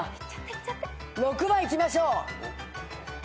６番いきましょう。